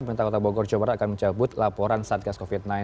pemerintah kota bogor jawa barat akan mencabut laporan satgas covid sembilan belas